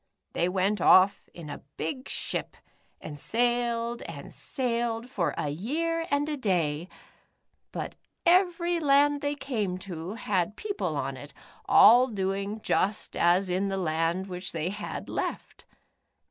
They went off in a big ship and sailed and sailed for a year and a day, but every land i The Upsidedownians. 155 they came to, had people on it, all doing just as in the land which they had left.